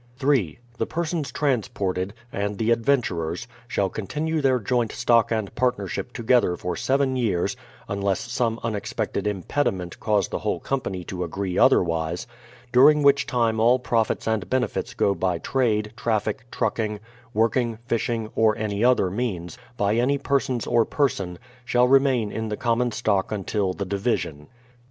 3. The persons transported, and the adventurers, shall continue their joint stock and partnership together for seven years (unless some unexpected impediment cause the whole company to agree otherwise), during which time all profits and benefits go by trade, traffic, trucking, working, fishing, or any other means, by any per sons or person, shall remain in the common stock until the division.